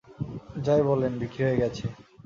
যাই বলেন, বিক্রি হয়ে গেছে।